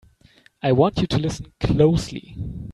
I want you to listen closely!